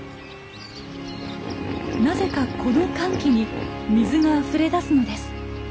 なぜかこの乾期に水があふれ出すのです。